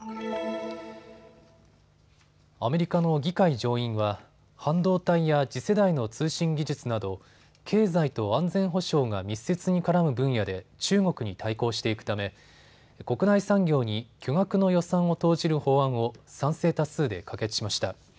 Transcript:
アメリカの議会上院は半導体や次世代の通信技術など経済と安全保障が密接に絡む分野で中国に対抗していくため国内産業に巨額の予算を投じる法案を賛成多数で可決しました。